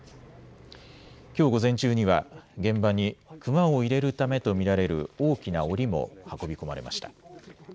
きょう午前中には現場にクマを入れるためと見られる大きなおりも運び込まれました。